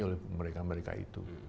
oleh mereka mereka itu